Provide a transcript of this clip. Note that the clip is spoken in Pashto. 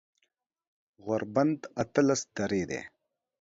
غوربند اتلس درې دی